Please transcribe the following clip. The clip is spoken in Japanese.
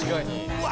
うわ！